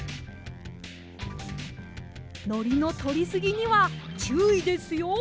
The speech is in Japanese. のりのとりすぎにはちゅういですよ。